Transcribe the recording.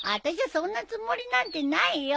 そんなつもりなんてないよ！